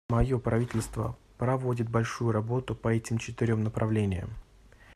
Мое правительство проводит большую работу по этим четырем направлениям.